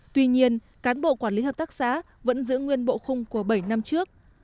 tuy nhiên cán bộ quản lý hợp tác xã vẫn giữ nguyên bộ khung của bảy năm trước